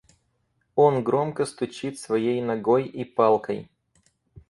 Он громко стучит своей ногой и палкой.